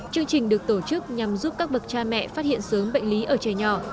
chương trình được tổ chức nhằm giúp các bậc cha mẹ phát hiện sớm bệnh lý ở trẻ nhỏ